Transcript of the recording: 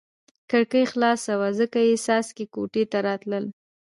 کړکۍ خلاصه وه ځکه یې څاڅکي کوټې ته راتلل.